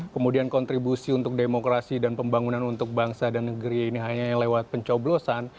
kemudian kontribusi untuk demokrasi dan pembangunan untuk bangsa dan negeri ini hanya lewat pencoblosan